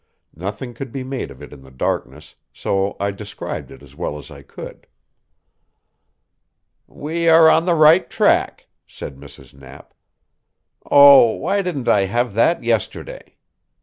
Nothing could be made of it in the darkness, so I described it as well as I could. "We are on the right track," said Mrs. Knapp. "Oh, why didn't I have that yesterday?